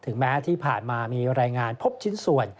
แม้ที่ผ่านมามีรายงานพบชิ้นส่วน